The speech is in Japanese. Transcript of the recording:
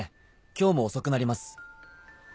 今日も遅くなります」